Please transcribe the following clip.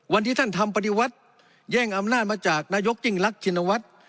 วันที่ท่านทำปฏิวัติแย่งอำนาจมาจากนายกยิ่งรักชินวัฒน์